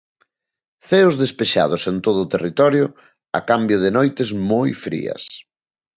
Ceos despexados en todo o territorio a cambio de noites moi frías.